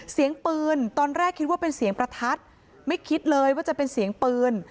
เสียงปืนตอนแรกคิดว่าเป็นเสียงประทัดไม่คิดเลยว่าจะเป็นเสียงปืน